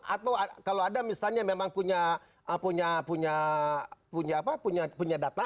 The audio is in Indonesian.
atau kalau ada misalnya memang punya data